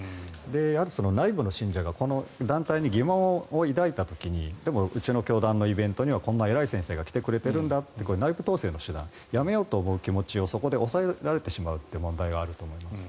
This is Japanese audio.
やはり内部の信者がこの団体に疑問を抱いた時にでも、うちの教団のイベントにはこんな偉い先生が来てくれているんだというこれは内部統制の手段辞めようと思う気持ちをそこで抑えられてしまう問題があると思います。